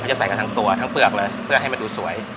จะใส่กันทั้งตัวทั้งเปลือกเลยเพื่อให้มันดูสวย